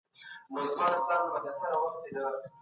پښتو ته یو نوی او روښانه لوری ورکړه.